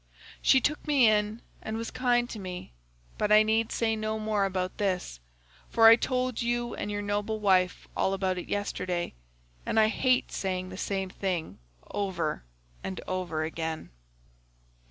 She took me in and was kind to me, but I need say no more about this, for I told you and your noble wife all about it yesterday, and I hate saying the same thing over and over again."